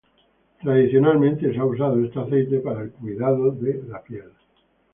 Tradicionalmente se ha usado este aceite para el cuidado de la piel.